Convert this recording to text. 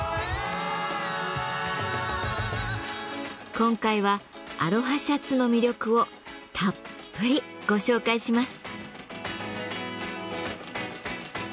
今回はアロハシャツの魅力をたっぷりご紹介します。